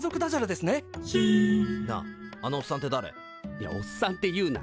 いやおっさんって言うな。